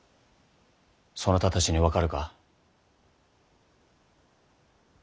そなたたちに分かるか？